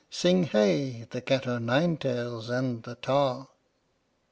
(Sing hey, the cat o' nine tails and the Tar!)